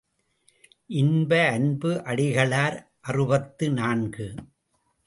இன்ப அன்பு அடிகளார் அறுபத்து நான்கு.